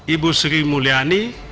ibu sri mulyani